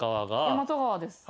大和川です。